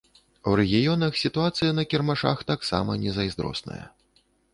У рэгіёнах сітуацыя на кірмашах таксама незайздросная.